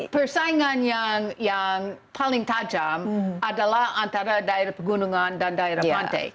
persaingan yang paling tajam adalah antara daerah pegunungan dan daerah pantai